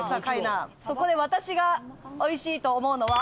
そこで私が美味しいと思うのは。